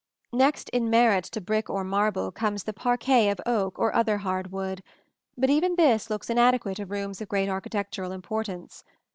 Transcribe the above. Next in merit to brick or marble comes the parquet of oak or other hard wood; but even this looks inadequate in rooms of great architectural importance.